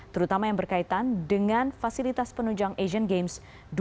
terutama yang berkaitan dengan fasilitas penunjang asian games dua ribu delapan belas